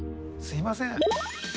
すいません。